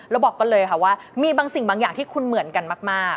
แล้วบอกกันเลยค่ะว่ามีบางสิ่งบางอย่างที่คุณเหมือนกันมาก